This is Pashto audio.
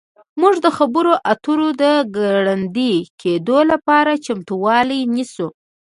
موږ د خبرو اترو د ګړندي کیدو لپاره چمتووالی نیسو